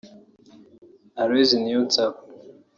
Aloys Niyonsaba